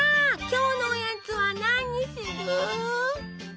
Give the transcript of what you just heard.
今日のおやつは何にする？